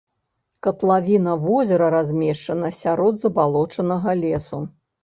Катлавіна возера размешчана сярод забалочанага лесу.